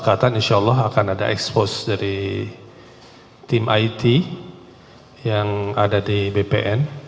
peningkatan insya allah akan ada expose dari tim it yang ada di bpn